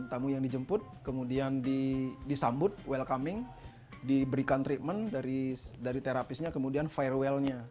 tamu yang dijemput kemudian disambut welcoming diberikan treatment dari terapisnya kemudian firewall nya